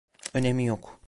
Önemi yok.